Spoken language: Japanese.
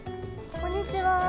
こんにちは。